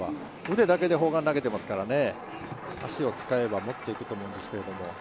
腕だけで砲丸投げていますから、足を使えばもっといくと思うんですけど。